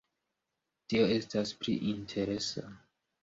Tio estas pli interesa.